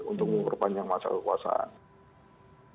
untuk memperpanjang masa kekuasaan